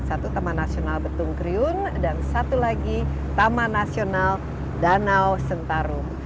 satu taman nasional betung kriun dan satu lagi taman nasional danau sentarum